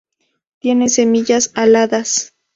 Tiene semillas aladas.